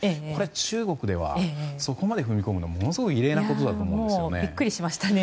中国ではそこまで踏み込むのは異例のことだと思うんですよね。